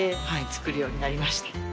作るようになりました。